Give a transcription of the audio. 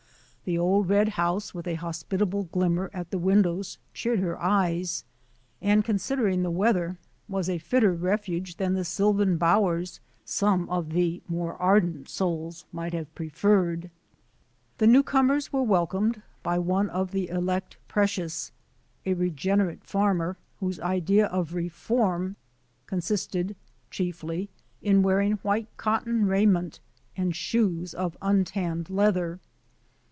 The old red house with a hospitable glimmer at its windows cheered her eyes; and, considering the weather, was a fitter refuge than the sylvan bowers some of the more ardent souls might have preferred. The new comers were welcomed by one of the elect precious, — a regenerate farmer, whose idea of reform consisted^chiefly in wearing white cot ton raiment and shoes of untanned leather.